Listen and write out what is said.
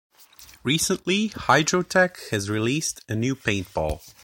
Recently, HydroTec has released a new paintball.